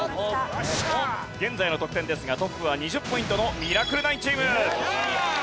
現在の得点ですがトップは２０ポイントのミラクル９チーム！